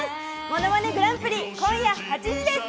『ものまねグランプリ』今夜８時です。